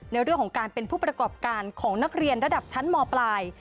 ในเรื่องของการเป็นผู้ประกอบการของนักเรียนระดับชั้นมปลาย